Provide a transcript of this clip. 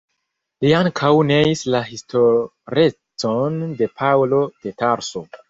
Li ankaŭ neis la historecon de Paŭlo de Tarso.